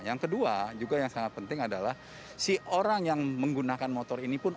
yang kedua juga yang sangat penting adalah si orang yang menggunakan motor ini pun